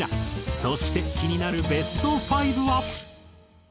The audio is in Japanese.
そして気になるベスト５は。